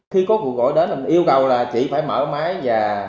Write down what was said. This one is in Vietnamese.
khi có cuộc gọi đến yêu cầu là chỉ phải mở máy và